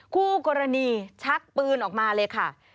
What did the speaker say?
คู่กรณีชักปืนออกมาเลยค่ะ